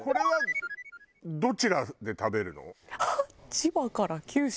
千葉から九州。